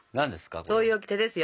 そういうオキテですよ。